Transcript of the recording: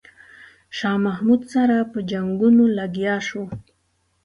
شاه محمود سره په جنګونو لګیا شو.